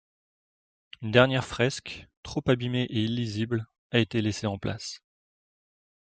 Une dernière fresque, trop abîmée et illisible, a été laissée en place.